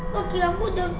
kaki aku udah